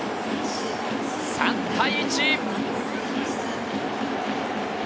３対１。